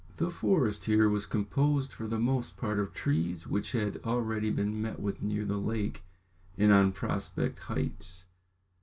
The forest here was composed for the most part of trees which had already been met with near the lake and on Prospect Heights.